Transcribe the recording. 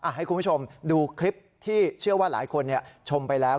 ให้คุณผู้ชมดูคลิปที่เชื่อว่าหลายคนชมไปแล้ว